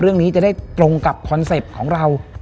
เรื่องนี้จะได้ตรงกับคอนเซ็ปต์ของเรา